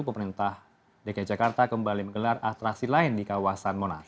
pemerintah dki jakarta kembali menggelar atraksi lain di kawasan monas